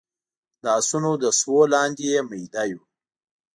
د اسونو د سوو لاندې يې ميده يو